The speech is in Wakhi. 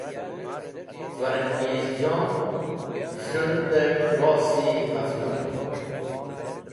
Farangezjon z̃hun dẽ kilos-e haftum.